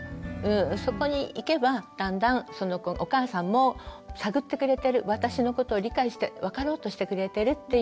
そこにいけばだんだんお母さんも探ってくれてる私のことを理解して分かろうとしてくれてるっていうね